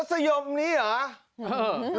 รัฐสนิยมนี้หรอ